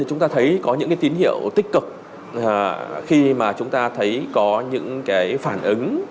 chúng ta thấy có những tín hiệu tích cực khi mà chúng ta thấy có những phản ứng